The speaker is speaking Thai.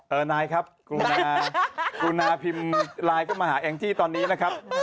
เออนายครับกูนาพิมพ์ไลน์ก็มาหาเองที่ตอนนี้นะครับ